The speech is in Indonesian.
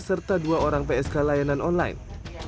serta dua orang psk layanan online